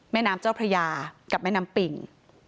แม่น้ำเจ้าพระยากับแม่น้ำปิ่ง